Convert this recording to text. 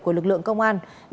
của lực lượng công an